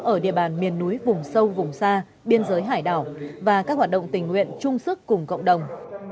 ở địa bàn miền núi vùng sâu vùng xa biên giới hải đảo và các hoạt động tình nguyện chung sức cùng cộng đồng